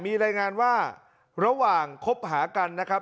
มีรายงานว่าระหว่างคบหากันนะครับ